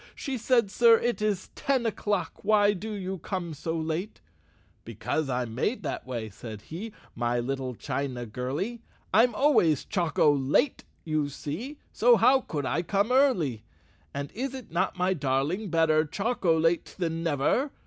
She said, ' Sir, it is ten o'clock! Why do you come so late? '"* Because I'm made that way,' said he, ' My little china girly, I'm always choco late, you see, So how could I come early? '"' And is it not, my darling, Better chocolate than never?